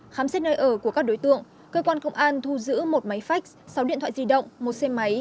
khám xét nơi ở của các đối tượng cơ quan công an thu giữ một máy phách sáu điện thoại di động một xe máy